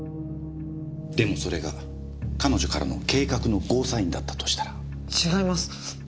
でもそれが彼女からの計画のゴーサインだったとしたら？違います。